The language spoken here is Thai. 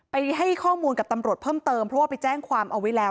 ให้ข้อมูลกับตำรวจเพิ่มเติมเพราะว่าไปแจ้งความเอาไว้แล้ว